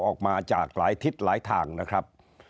ออกมาจากหลายทิศหลายทางนะครับ